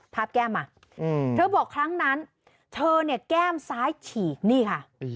แก้มมาเธอบอกครั้งนั้นเธอเนี่ยแก้มซ้ายฉีกนี่ค่ะ